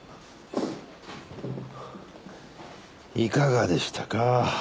いかがでしたか？